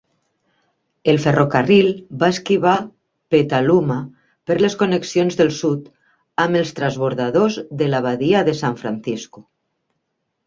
El ferrocarril va esquivar Petaluma per les connexions del sud amb els transbordadors de la Badia de San Francisco.